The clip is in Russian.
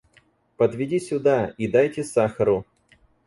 Подведи сюда, и дайте сахару.